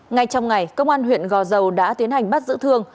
ngay trong ngày công an huyện gò dầu đã tiến hành bắt giữ thương